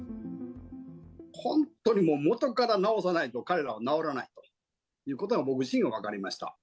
本当にもう、元から直さないと彼らは直らないということを、僕自身が分かりました。